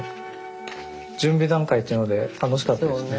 準備段階というので楽しかったですね。